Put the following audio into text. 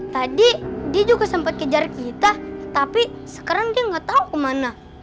tadi dia juga sempet kejar kita tapi sekarang dia gak tau kemana